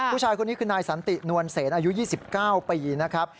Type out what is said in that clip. ผู้ชายคนนี้คือนายสันตินวลเซนอายุ๒๙ปีนะครับ